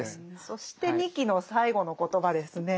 そして仁木の最後の言葉ですね。